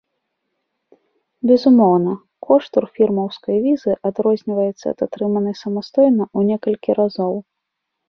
Безумоўна, кошт турфірмаўскай візы адрозніваецца ад атрыманай самастойна ў некалькі разоў.